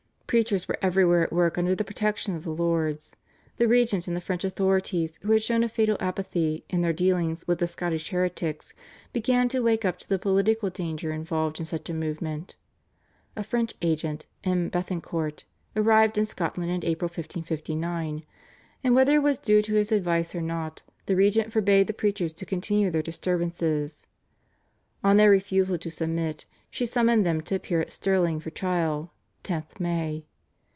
Preachers were everywhere at work under the protection of the lords. The regent and the French authorities, who had shown a fatal apathy in their dealings with Scottish heretics, began to wake up to the political danger involved in such a movement. A French agent, M. Béthencourt, arrived in Scotland in April 1559, and, whether it was due to his advice or not, the regent forbade the preachers to continue their disturbances. On their refusal to submit she summoned them to appear at Stirling for trial (10th May).